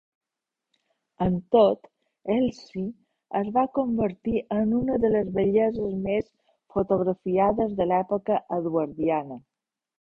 Amb tot, Elsie es va convertir en una de les belleses més fotografiades de l'època eduardiana.